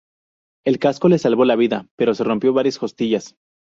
El casco le salvó la vida pero se rompió varias costillas.